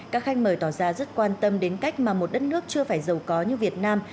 các khách mời tỏ ra rất quan tâm đến cách mà một đất nước chưa phải giàu có như việt nam